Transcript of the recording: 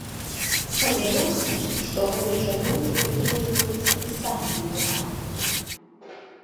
Спадзяёмся, што гэтай жа думкі прытрымліваюцца і самі ветэраны.